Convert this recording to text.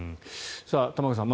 玉川さん